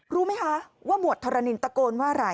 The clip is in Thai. รู้ไหมคะว่าหมวดธรณินตะโกนว่าอะไร